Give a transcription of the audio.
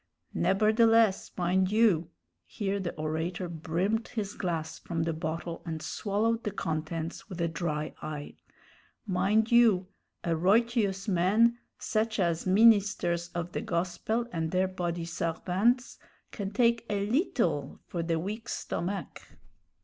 "Neberdeless, mind you " here the orator brimmed his glass from the bottle and swallowed the contents with a dry eye "mind you, a roytious man, sech as ministers of de gospel and dere body sarvants, can take a leetle for de weak stomach."